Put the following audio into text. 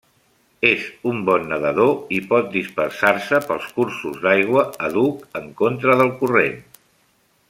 És un bon nedador, i pot dispersar-se pels cursos d'aigua àdhuc en contra del corrent.